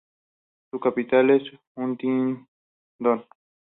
Su capital es Huntingdon.